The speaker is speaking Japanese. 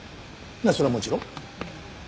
それはもちろん。